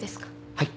はい。